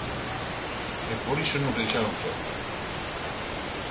E por iso nos deixaron sós.